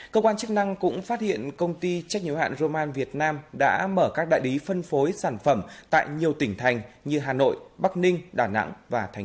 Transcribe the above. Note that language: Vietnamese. cơ quan chức năng cũng phát hiện công ty trách nhiệm hạn roman việt nam đã mở các đại lý phân phối sản phẩm tại nhiều tỉnh thành như hà nội bắc ninh đà nẵng và tp hcm